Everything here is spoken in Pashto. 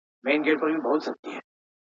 ما لیدې د کړاکړ په تورو غرو کي!